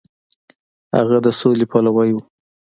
هغه د سولې پلوی و.